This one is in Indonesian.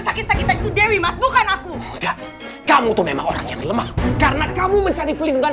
sakit sakitan itu dewi mas bukan aku kamu tuh memang orang yang lemah karena kamu mencari pelindungan